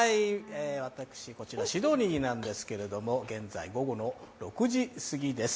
私は、シドニーにいるんですけれども、現在、午後の６時過ぎです。